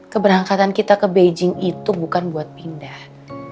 keberangkatan kita ke beijing itu bukan buat pindah